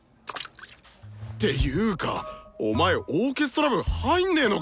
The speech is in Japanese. ていうかお前オーケストラ部入んねえのかよ！